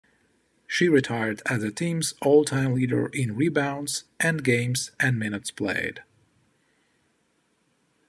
She retired as the team's all-time leader in rebounds, and games and minutes played.